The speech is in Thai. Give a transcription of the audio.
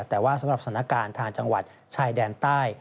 แต่ว่าสำหรับสถานการณ์ทางจังหวัดชายแดนใต้